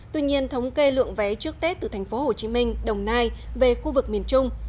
tuy nhiên thống kê lượng vé trước tết từ tp hcm đồng nai về khu vực miền trung